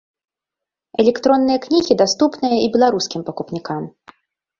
Электронныя кнігі даступныя і беларускім пакупнікам.